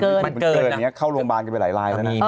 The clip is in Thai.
เกินเกินเข้ารวมบ้านไปหลายลาย